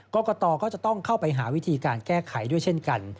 กรกตก็จะต้องเข้าไปหาวิธีการแก้ไขด้วยเช่นกัน